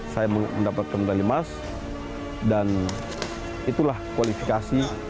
saya mendapatkan medali emas dan itulah kualifikasi